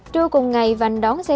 trưa cùng ngày vành đón xeo vành